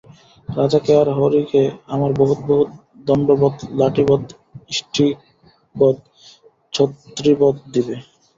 রাজাকে আর হরিকে আমার বহুত বহুত দণ্ডবৎ লাট্টিবৎ ইষ্টিকবৎ ছতরীবৎ দিবে।